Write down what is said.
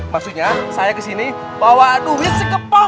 maksudnya saya kesini bawa duit si kepal